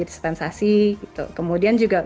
dispensasi gitu kemudian juga